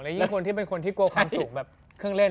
ยิ่งคนที่เป็นคนที่กลัวความสุขแบบเครื่องเล่น